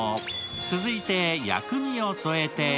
続いて、薬味を添えて。